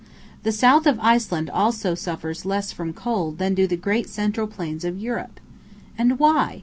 The South of Iceland also suffers less from cold than do the great central plains of Europe. And why?